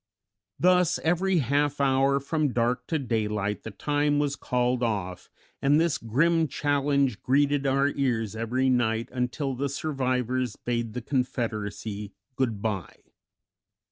Thus every half hour from dark to daylight the time was called off, and this grim challenge greeted our ears every night until the survivors bade the Confederacy good bye.